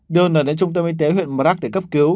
đưa n đến trung tâm y tế huyện mờ rắc để cấp cứu